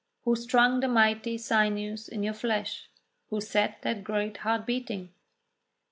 Who strung the mighty sinews in your flesh? Who set that great heart beating?